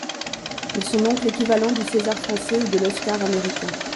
Ils sont donc l'équivalent du César français ou de l'Oscar américain.